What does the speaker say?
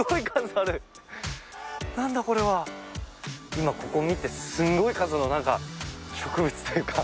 今ここ見てすごい数のなんか植物というか。